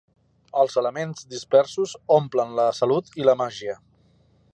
Els elements dispersos omplen la salut i la màgia.